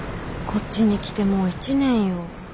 こっちに来てもう１年よ。